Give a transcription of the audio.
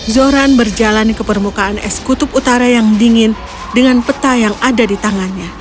zoran berjalan ke permukaan es kutub utara yang dingin dengan peta yang ada di tangannya